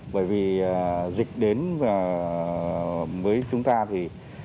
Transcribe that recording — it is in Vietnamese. bởi vì dịch đến với chúng ta thì